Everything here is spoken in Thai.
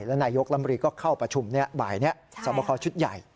และนายกรมรีก็เข้าประชุมบ่ายนี้สอบคอชุดใหญ่